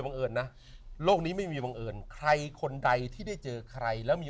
เอิญนะโลกนี้ไม่มีบังเอิญใครคนใดที่ได้เจอใครแล้วมี